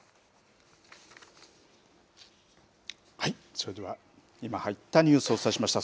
それでは、今入ったニュースをお伝えしました。